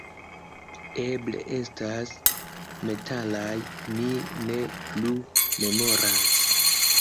Eble estas metalaj, mi ne plu memoras